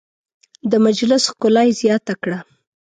د مجلس ښکلا یې زیاته کړه.